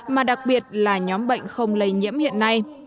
mà đặc biệt là nhóm bệnh không lây nhiễm hiện nay